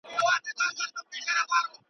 سهار چي له خلوته را بهر سې خندا راسي.